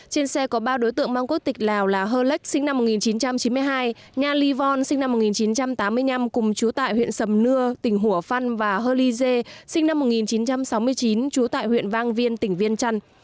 trên xe có ba đối tượng mang quốc tịch lào là hơ lách sinh năm một nghìn chín trăm chín mươi hai nha lyon sinh năm một nghìn chín trăm tám mươi năm cùng chú tại huyện sầm nưa tỉnh hủa phăn và hơ ly dê sinh năm một nghìn chín trăm sáu mươi chín trú tại huyện vang viên tỉnh viên trăn